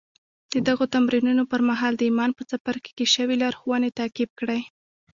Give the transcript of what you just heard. د دغو تمرينونو پر مهال د ايمان په څپرکي کې شوې لارښوونې تعقيب کړئ.